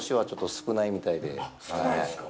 少ないんですか。